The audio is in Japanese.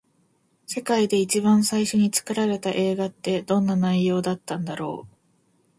世界で一番最初に作られた映画って、どんな内容だったんだろう。